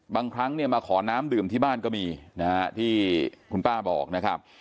บางครั้งเนี่ยมาขอน้ำดื่มที่บ้านก็มีนะฮะที่คุณป้าบอกนะครับ